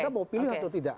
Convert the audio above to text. anda mau pilih atau tidak